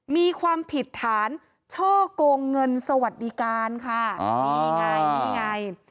มีความผิดฐานช่อกงเงินสวัสดิการค่ะนี่ไงนี่ไง